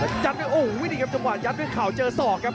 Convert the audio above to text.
โอ้โหวิดีครับจังหวานยัดเพื่อนข่าวเจอสอกครับ